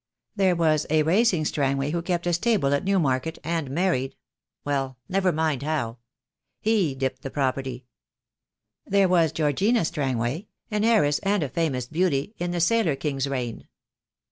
There was a racing Strangway who kept a stable at Newmarket, and married — well — never mind how. He dipped the property. There was Georgiana Strangway, an heiress and a famous beauty, in the Sailor King's reign.